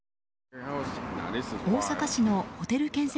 大阪市のホテル建設